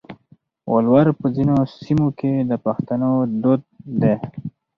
ولور په ځینو سیمو کې د پښتنو دود دی.